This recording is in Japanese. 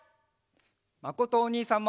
まことおにいさんも。